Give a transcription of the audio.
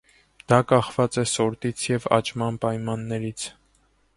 Դա կախված է սորտից և աճման պայմաններից։